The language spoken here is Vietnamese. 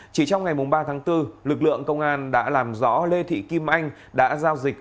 chỉ trong ngày ba tháng bốn lực lượng công an đã làm rõ lê thị kim anh đã giao dịch